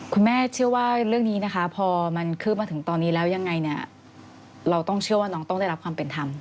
เชื่อว่าเรื่องนี้นะคะพอมันคืบมาถึงตอนนี้แล้วยังไงเนี่ยเราต้องเชื่อว่าน้องต้องได้รับความเป็นธรรม